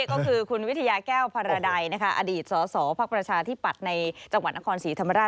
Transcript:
ก็คือคุณวิทยาแก้วพาราไดอดีตสสภประชาที่ปัดในจังหวัดนครศรีธรรมดา